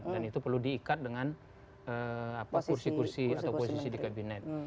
dan itu perlu diikat dengan kursi kursi atau posisi di kabinet